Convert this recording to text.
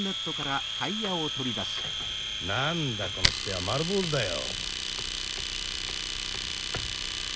何だこのスペア丸ぼうずだよ。